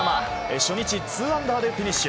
初日２アンダーでフィニッシュ。